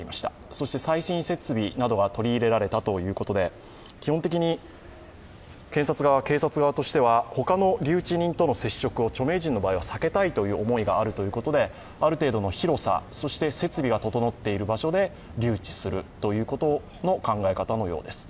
そして最新設備などが取り入れられたということで、基本的に検察側、警察側としては、他の留置人との接触を著名人の場合は避けたいという思いがあるということで、ある程度の広さ、そして設備が整っている場所で留置するという考え方のようです。